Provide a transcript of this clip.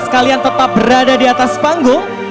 sekalian tetap berada di atas panggung